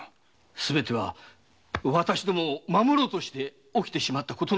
すべては私どもを守ろうとして起きてしまったことなんです。